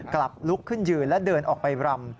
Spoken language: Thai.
กลับลุกขึ้นยืนและเดินออกไปรำ